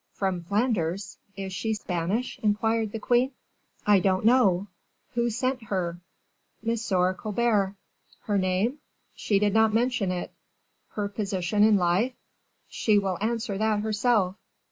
"From Flanders? Is she Spanish?" inquired the queen. "I don't know." "Who sent her?" "M. Colbert." "Her name?" "She did not mention it." "Her position in life?" "She will answer that herself."